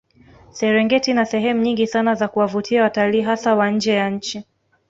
Serengeti ina sehemu nyingi Sana za kuwavutia watalii hasa wa nje ya nchi